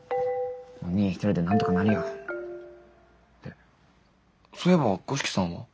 おにぃ一人でなんとかなるよ。ってそういえば五色さんは？